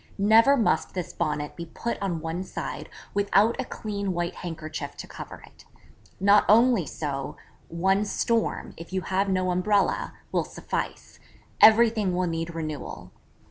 Never must this Bonnet be put on one side without a clean white handkerchief to cover it. Not only so, one storm, if you have no umbrella, will suffice; everything will need renewal.